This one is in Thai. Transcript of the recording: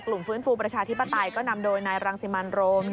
ฟื้นฟูประชาธิปไตยก็นำโดยนายรังสิมันโรม